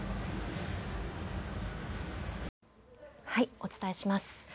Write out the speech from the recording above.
お伝えします。